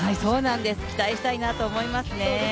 期待したいなと思いますね。